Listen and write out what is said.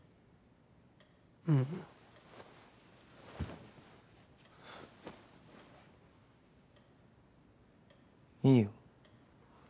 ううん。いいよ。